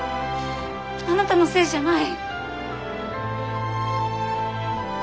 あなたのせいじゃない。